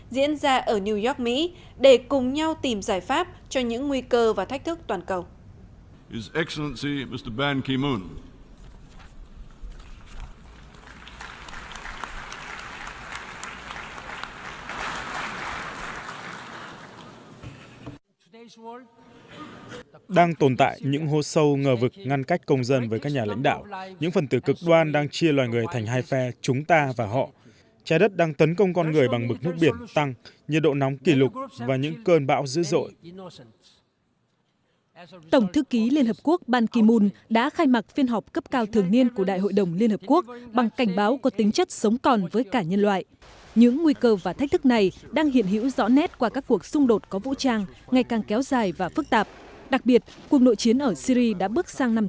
diễn ra ở new york mỹ để cùng nhau tìm giải pháp cho những nguy cơ và thách thức toàn cầu